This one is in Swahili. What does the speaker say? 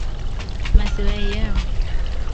maslahi yao